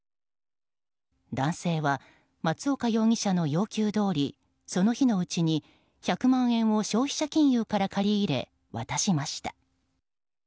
男性は松岡容疑者の要求どおりその日のうちに１００万円を消費者金融から借り入れ渡しました。